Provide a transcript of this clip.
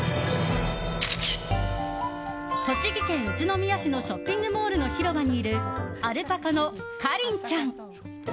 栃木県宇都宮市のショッピングモールの広場にいるアルパカのかりんちゃん。